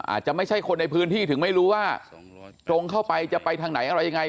อาจจะไม่ใช่คนในพื้นที่ถึงไม่รู้ว่าตรงเข้าไปจะไปทางไหนอะไรยังไง